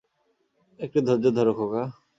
একটু ধৈর্য ধরো, খোকা।